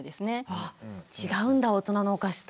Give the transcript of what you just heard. あ違うんだ大人のお菓子と。